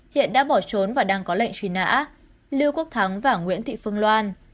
hiện đã bỏ trốn và đang có lệnh truy nã lưu quốc thắng và nguyễn thị phương loan